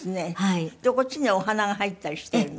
でこっちにはお花が入ったりしてるの？